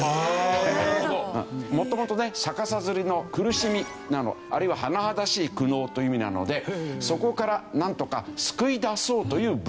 元々ね逆さ吊りの苦しみなどあるいは甚だしい苦悩という意味なのでそこからなんとか救い出そうという仏教行事。